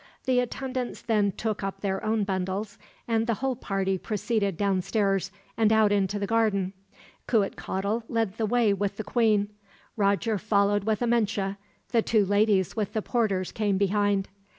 The attendants then took up their own bundles, and the whole party proceeded downstairs, and out into the garden. Cuitcatl led the way with the queen. Roger followed with Amenche, the two ladies with the porters came behind.